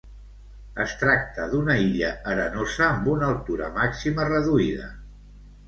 Es tracta d'una illa arenosa amb una altura màxima reduïda.